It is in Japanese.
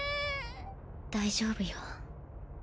大丈夫よ。